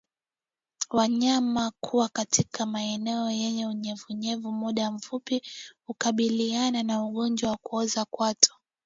Wanyama kuwa katika maeneo yenye unyevunyevu muda mfupi hukabiliana na ugonjwa wa kuoza kwato